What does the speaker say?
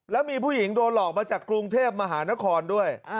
แล้วมีผู้หญิงโดนหลอกมาจากกรุงเทพมหานครด้วย